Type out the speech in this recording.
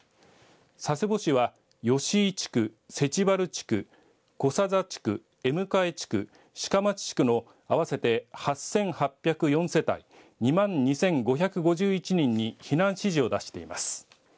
佐世保市は吉井地区、世知原地区小佐々地区、江迎地区鹿町地区の合わせて８８０４世帯２万２５５１人に避難指示を出しています。